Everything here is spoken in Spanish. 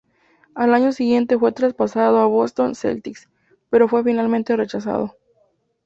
Al año siguiente fue traspasado a Boston Celtics, pero fue finalmente rechazado.